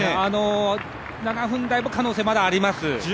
７分台の可能性、まだあります。